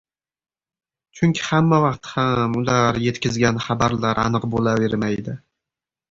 chunki hammavaqt ham ular yetkazgan xabarlar aniq bo‘lavermaydi;